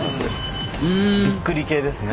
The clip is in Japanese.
びっくり系ですね。